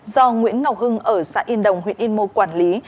do nguyễn ngọc hưng ở xã yên đồng huyện yên mô quản lý